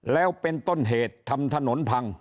แล้วเป็นต้นเหตุทำถนนพัง